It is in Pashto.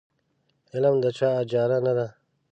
علم د چا اجاره نه ده.